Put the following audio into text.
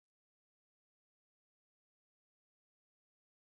والی د ولایت لومړی درجه مسوول دی